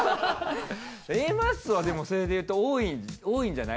Ａマッソはでもそれで言うと多いんじゃない？